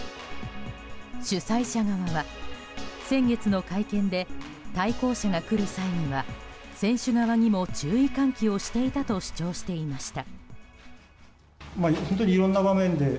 主催者側は、先月の会見で対向車が来る際には選手側にも注意喚起をしていたと主張していました。